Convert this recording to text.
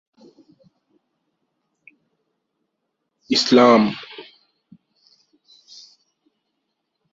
নিয়ত এই ধাক্কায় এলার মন অবাধ্যতার দিকে ঝুঁকে পড়েছে।